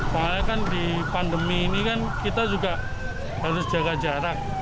karena kan di pandemi ini kan kita juga harus jaga jarak